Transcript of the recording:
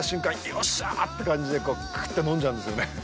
よっしゃーって感じでクーっと飲んじゃうんですよね。